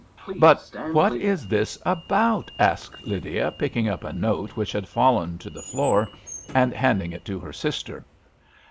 '* "But what is this about?" asked Lydia, picking up a note which had fallen to the floor, and handing it to her sister.